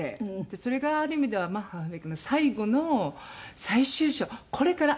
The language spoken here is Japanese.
それがある意味ではマッハ文朱の最後の最終章これから。